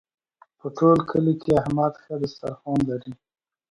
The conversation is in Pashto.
په ټول کلي کې احمد ښه دسترخوان لري.